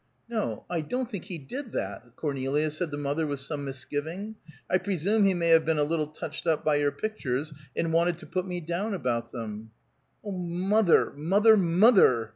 "No, I don't think he did that, Cornelia," said the mother with some misgiving. "I presume he may have been a little touched up by your pictures, and wanted to put me down about them " "Oh, mother, mother, mother!"